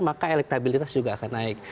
maka elektabilitas juga akan naik